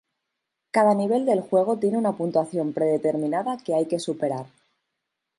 Cada nivel del juego tiene una puntuación predeterminada que hay que superar.